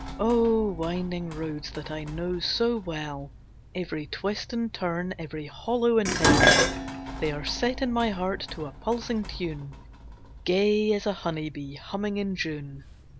O Winding roads that I know so well, Every twist and turn, every hollow and hill! They are set in my heart to a pulsing tune Gay as a honey bee humming in June.